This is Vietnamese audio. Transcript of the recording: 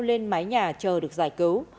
lên mái nhà chờ được giải cứu